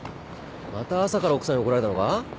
また朝から奥さんに怒られたのか？